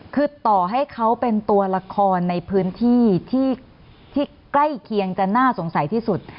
คือต่อให้เขาเป็นตัวละครในพื้นที่ที่ใกล้เคียงจะน่าสงสัยที่สุด